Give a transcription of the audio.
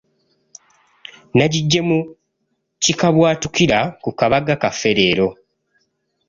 Nagiggye mu kikabwatukira ku kabaga kaffe leero.